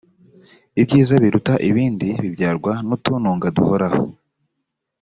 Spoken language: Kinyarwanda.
ibyiza biruta ibindi bibyarwa n’utununga duhoraho,